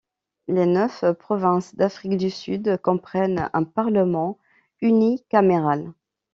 Les neuf provinces d'Afrique du Sud comprennent un parlement unicaméral.